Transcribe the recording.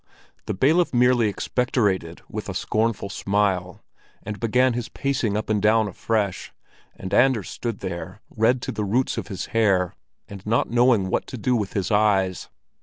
The bailiff merely expectorated with a scornful smile, and began his pacing up and down afresh, and Anders stood there, red to the roots of his hair, and not knowing what to do with his eyes.